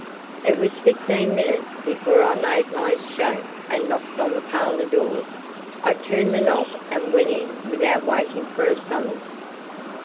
It was fifteen minutes before I made my escape and knocked on the parlor door. I turned the knob and went in without waiting for a summons.